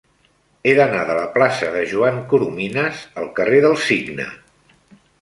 He d'anar de la plaça de Joan Coromines al carrer del Cigne.